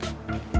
terima kasih dad